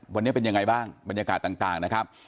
วันนี้เป็นยังไงบ้างบรรยากาศต่างนะครับ